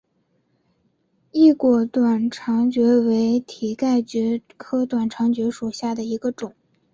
异果短肠蕨为蹄盖蕨科短肠蕨属下的一个种。